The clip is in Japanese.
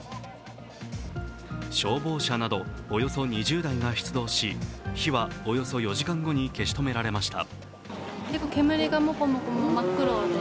消防車などおよそ２０台が出動し火はおよそ２時間後に消し止められました。